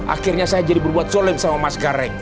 akhirnya saya jadi berbuat sulim sama mas gareng